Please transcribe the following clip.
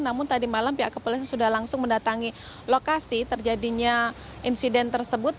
namun tadi malam pihak kepolisian sudah langsung mendatangi lokasi terjadinya insiden tersebut